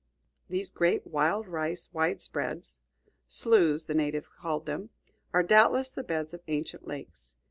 These great wild rice widespreads sloughs, the natives call them are doubtless the beds of ancient lakes.